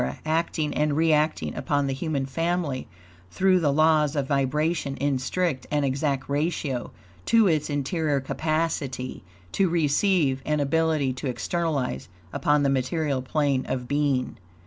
acting and reacting upon the human family through the laws of vibration in strict and exact ratio to its interior capacity to receive and ability to externalize upon the material plane of being.